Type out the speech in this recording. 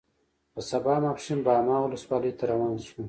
په سبا ماسپښین باما ولسوالۍ ته روان شوو.